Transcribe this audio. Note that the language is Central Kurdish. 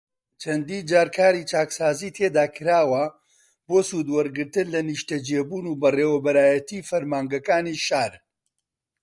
چەندین جار کاری چاکسازیی تیادا کراوە بۆ سوودوەرگرتن لە نیشتەجێبوون و بەڕێوبەرایەتیی فەرمانگەکانی شار